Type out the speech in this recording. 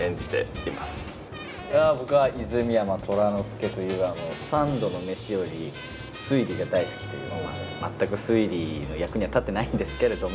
いや僕は泉山虎之介という三度の飯より推理が大好きというまあ全く推理の役には立ってないんですけれども。